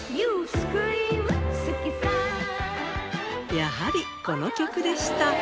やはりこの曲でした。